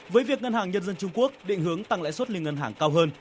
với việc ngân hàng nhân dân trung quốc định hướng tăng lãi suất liên ngân hàng cao hơn